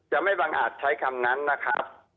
ไม่บังอาจใช้คำนั้นนะครับ